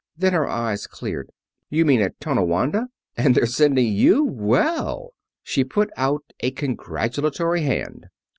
Then her eyes cleared. "You mean at Tonawanda? And they're sending you! Well!" She put out a congratulatory hand.